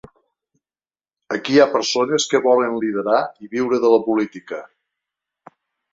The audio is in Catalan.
Aquí hi ha persones que volen liderar i viure de la política.